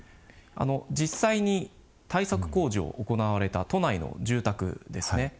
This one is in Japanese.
実際に対策工事を行われた都内の住宅ですね。